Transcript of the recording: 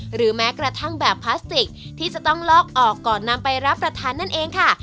หรือแม้กระทั่งแบบพลาสติกที่จะต้องลอกออกก่อนนำไปรับประทานนั่นเองค่ะ